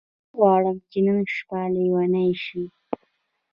زه نه غواړم چې نن شپه لیونۍ شې.